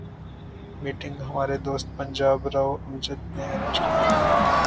Meeting ہمارے دوست پنجاب راؤ امجد نے ارینج کی تھی۔